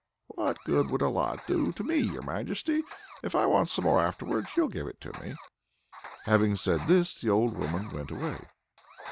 "What good would a lot do me, your Majesty? if I want some more afterwards, you'll give it me." Having said this the old woman went away.